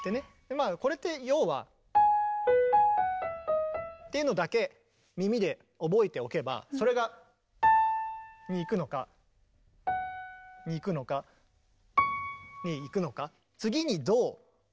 まあこれって要は。っていうのだけ耳で覚えておけばそれが。にいくのかにいくのかにいくのか。